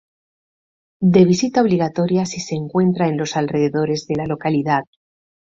De visita obligatoria si se encuentra en los alrededores de la localidad.